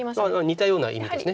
似たような意味です。